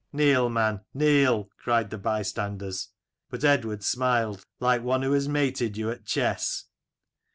' Kneel, man, kneel !' cried the bystanders : but Eadward smiled, like one who has mated you at chess.